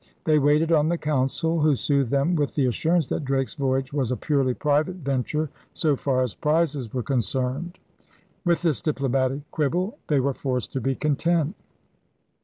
They waited on the Council, who soothed them with the assurance that Drake's voyage was a purely private venture so far as prizes were concerned. With this diplomatic quibble they were forced to be content.